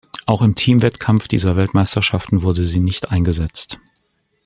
Auch im Teamwettkampf dieser Weltmeisterschaften wurde sie nicht eingesetzt.